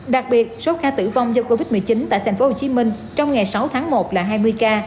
đặc biệt số ca tử vong do covid một mươi chín tại tp hcm trong ngày sáu tháng một là hai mươi ca